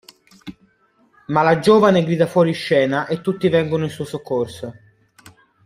Ma la giovane grida fuori scena e tutti vengono in suo soccorso.